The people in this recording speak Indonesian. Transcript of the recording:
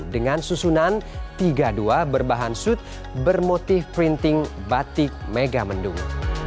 dengan susunan tiga dua berbahan suit bermotif printing batik mega mendung